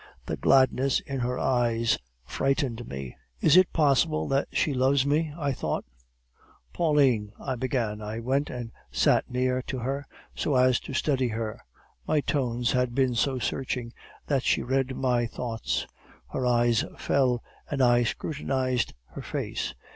"The gladness in her eyes frightened me. "'Is it possible that she loves me?' I thought. 'Pauline,' I began. I went and sat near to her, so as to study her. My tones had been so searching that she read my thought; her eyes fell, and I scrutinized her face.